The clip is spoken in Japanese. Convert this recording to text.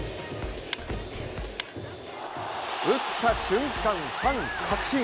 打った瞬間、ファン確信。